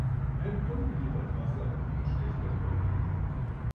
Ein Brunnen liefert Wasser von schlechter Qualität.